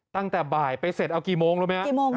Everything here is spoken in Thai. ตั้งแต่บ่ายไปเสร็จเอากี่โมงรู้ไหมฮะ